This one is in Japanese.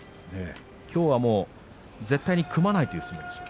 きょうは絶対に組まないという相撲ですか？